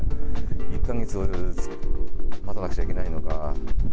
１か月待たなくちゃいけないのか。